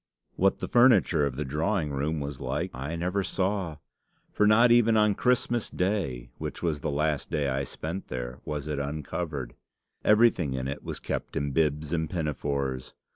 What the furniture of the drawing room was like, I never saw; for not even on Christmas Day, which was the last day I spent there, was it uncovered. Everything in it was kept in bibs and pinafores.